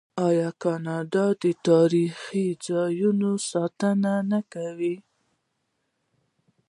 آیا کاناډا د تاریخي ځایونو ساتنه نه کوي؟